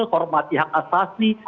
hormati hak asasi